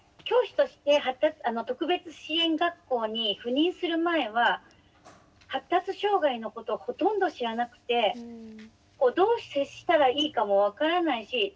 教師として特別支援学校に赴任する前は発達障害のことをほとんど知らなくてどう接したらいいかも分からないし。